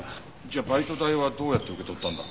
じゃあバイト代はどうやって受け取ったんだ？